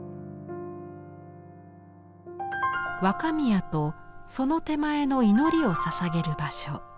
若宮とその手前の祈りをささげる場所。